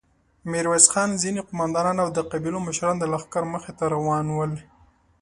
ميرويس خان، ځينې قوماندانان او د قبيلو مشران د لښکر مخې ته روان ول.